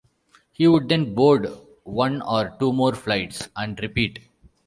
He would then board one or two more flights and repeat.